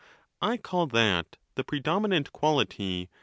I call that the predominant quality,' which